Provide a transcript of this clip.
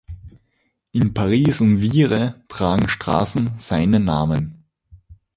In Paris und Vire tragen Straßen seinen Namen.